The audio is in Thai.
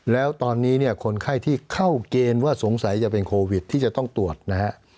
แล้วตอนนี้เนี่ยคนไข้ที่เข้าเกณฑ์ว่าสงสัยจะเป็นโควิดที่จะต้องตรวจนะฮะ